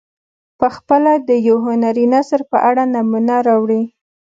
پخپله د یو هنري نثر په اړه نمونه راوړي.